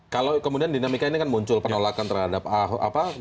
kalau kemudian dinamika ini kan muncul penolakan terhadap ahok